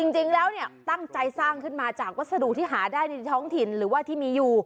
จริงแล้วเนี่ยตั้งใจสร้างขึ้นมาจากวัสดุที่หาได้ในท้องถิ่นหรือว่าที่มีอยู่